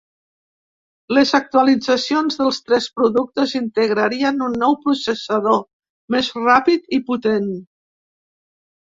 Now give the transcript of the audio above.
Les actualitzacions dels tres productes integrarien un nou processador, més ràpid i potent.